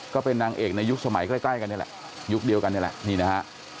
ก็เป็นนางเอกในยุคสมัยใกล้กันนี่แหละยุคเดียวกันนี่แหละนี่นะฮะ